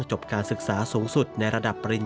สำหรับนักเรียนที่เรียนดีของโรงเรียนราชประชานุเคราะห์